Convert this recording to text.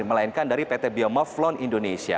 melainkan dari pt biomophlon indonesia